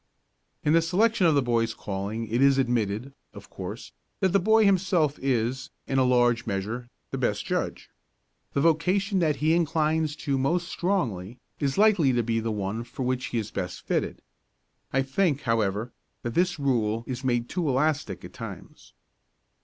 In the selection of the boy's calling it is admitted, of course, that the boy himself is, in a large measure, the best judge. The vocation that he inclines to most strongly is likely to be the one for which he is best fitted. I think, however, that this rule is made too elastic at times.